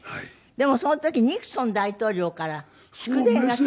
でもその時ニクソン大統領から祝電が来た。